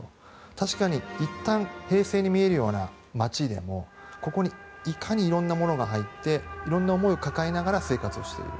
確かにいったん平静に見えるような街でもここに、いかにいろんなものが入っていろんな思いを抱えながら生活をしている。